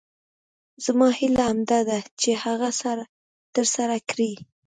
زما هیله همدا ده چې ته هغه تر سره کړې.